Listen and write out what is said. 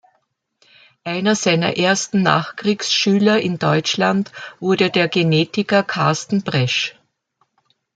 Einer seiner ersten Nachkriegs-Schüler in Deutschland wurde der Genetiker Carsten Bresch.